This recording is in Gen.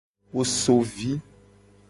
Wo so vi.